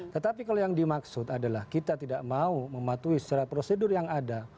tetapi kalau yang dimaksud adalah kita tidak mau mematuhi secara prosedur yang ada